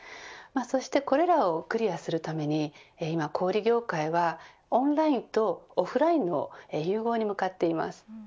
そしてこれらをクリアするために小売り業界はオンラインとオフラインの融合に向かっています。